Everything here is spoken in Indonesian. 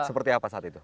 seperti apa saat itu